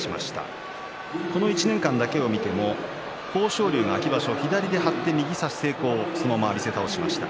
この１年間だけを見ても豊昇龍が秋場所、左で張って右差し、そのまま浴びせ倒しました。